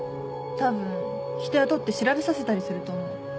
多分人雇って調べさせたりすると思う。